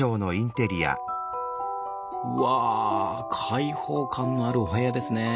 うわ開放感のあるお部屋ですね。